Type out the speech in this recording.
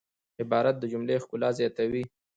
عبارت د جملې ښکلا زیاتوي.